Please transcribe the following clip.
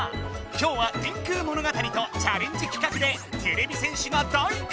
今日は電空物語とチャレンジ企画でてれび戦士が大活やく！